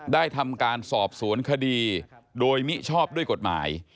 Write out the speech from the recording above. ได้ทำการสอบสวนคดีโดยมิชอบด้วยกฎหมาย